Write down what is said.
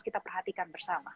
kita perhatikan bersama